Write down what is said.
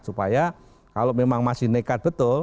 supaya kalau memang masih nekat betul